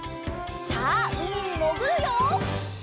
さあうみにもぐるよ！